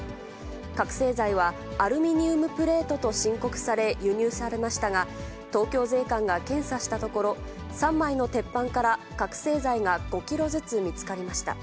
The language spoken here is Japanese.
覚醒剤はアルミニウムプレートとして申告され輸入されましたが、東京税関が検査したところ、３枚の鉄板から覚醒剤が５キロずつ見つかりました。